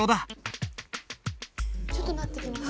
ちょっとなってきました？